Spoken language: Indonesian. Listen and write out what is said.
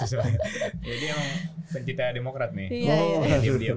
jadi yang pencipta demokrat nih